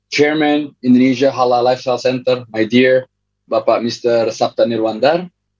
chairman indonesia halal lifestyle center my dear bapak mr sabta nirwandar